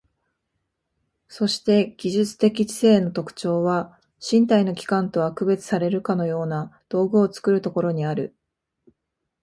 そして技術的知性の特徴は、身体の器官とは区別されるかような道具を作るところにある。